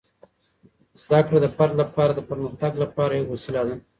زده کړه د فرد لپاره د پرمختګ لپاره یوه وسیله ده.